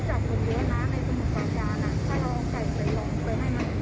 ถ้าเราเอาไก่ไปหล่อเต้นให้นักศึกษ์อยู่ตรงนั้นอ่ะ